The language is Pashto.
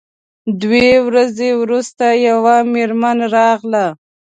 دوې ورځې وروسته یوه میرمن راغله.